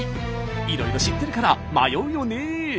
いろいろ知ってるから迷うよね。